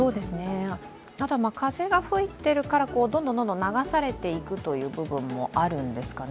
ただ風が吹いているからどんどん流されていくという部分もあるんですかね。